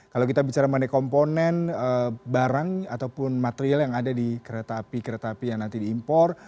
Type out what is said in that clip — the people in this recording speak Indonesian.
kalau kita bicara mengenai komponen barang ataupun material yang ada di kereta api kereta api yang nanti diimpor